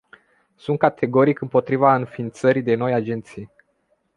Sunt categoric împotriva înființării de noi agenții.